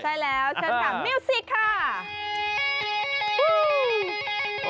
ใช่แล้วเชิญถามมิวสิกค่ะ